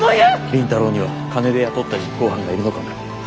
倫太郎には金で雇った実行犯がいるのかも。